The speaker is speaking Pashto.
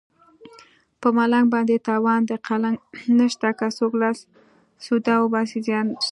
په ملنګ باندې تاوان د قلنګ نشته که څوک لاس سوده وباسي زیان نشته